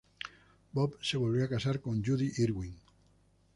Bob se volvió a casar con Judy Irwin.